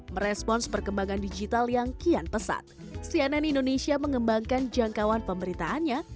merespons perkembangan digital yang kian pesat cnn indonesia mengembangkan jangkauan pemberitaannya